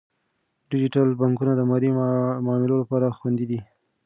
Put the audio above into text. ډیجیټل بانکونه د مالي معاملو لپاره خوندي دي.